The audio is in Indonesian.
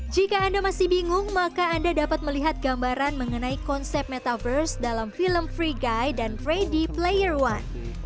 jika anda masih bingung maka anda dapat melihat gambaran mengenai konsep metaverse dalam film free guy dan freddy player one